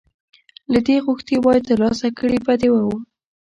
که دې غوښتي وای ترلاسه کړي به دې وو